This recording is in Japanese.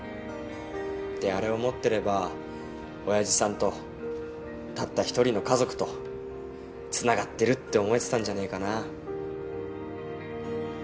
であれを持ってれば親父さんとたった一人の家族とつながってるって思えてたんじゃねえかな。